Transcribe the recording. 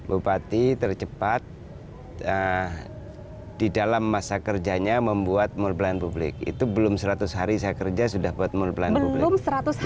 bupati tercepat di dalam masa kerjanya membuat mall pelayanan publik itu belum seratus hari saya kerja sudah buat mall pelayanan publik